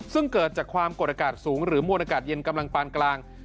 ซึ่งเกิดจากความกดอากาศสูงหรือมวลอากาศเย็นกำลังปานกลาง